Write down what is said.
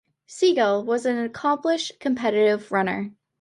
Segal was an accomplished competitive runner.